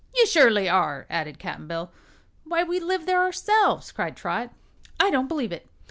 "You surely are," added Cap'n Bill. "Why, we live there ourselves," cried Trot. "I don't believe it.